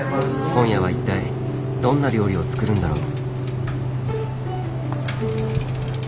今夜は一体どんな料理を作るんだろう。